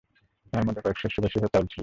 তাহার মধ্যে কয়েক সের সুবাসিত চাউল ছিল।